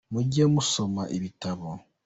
mujye musoma ibitabo